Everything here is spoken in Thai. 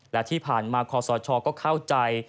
และที่ผ่านมาคอสชก็เข้าใจ